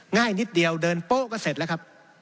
ง่ายนิดเดียวเดินโป๊ะก็เสร็จแล้วครับ